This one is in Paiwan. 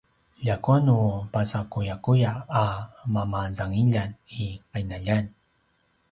ljakua nu pasakuyakuya a mamazangiljan i qinaljan